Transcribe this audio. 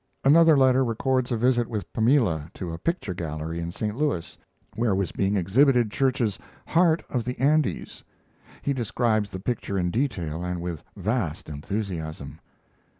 Another letter records a visit with Pamela to a picture gallery in St. Louis where was being exhibited Church's "Heart of the Andes." He describes the picture in detail and with vast enthusiasm.